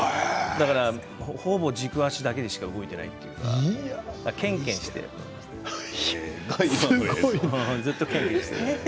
だからほぼ軸足だけでしか動いていないというかけんけんしてずっと、けんけんして。